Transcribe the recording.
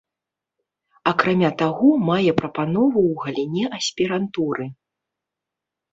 Акрамя таго, мае прапанову ў галіне аспірантуры.